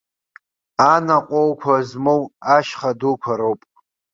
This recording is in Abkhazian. Анаҟәоуқәа змоу ашьха дуқәа роуп.